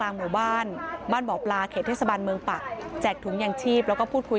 น้ำลื่นไหมเนี่ย